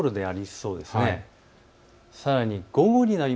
そうですね。